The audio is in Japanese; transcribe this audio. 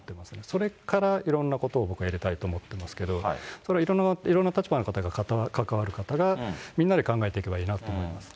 それからいろんなことを僕はやりたいと思ってますけど、それはいろんな立場の方が、関わる方がみんなで考えていけばいいなと思います。